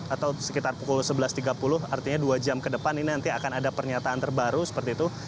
atau sekitar pukul sebelas tiga puluh artinya dua jam ke depan ini nanti akan ada pernyataan terbaru seperti itu